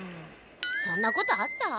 そんなことあった？